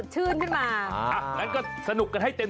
นี่คือขอจังหวะสามช่าจากพี่รถสิบล้อนี่หรอคะ